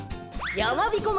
やまびこ村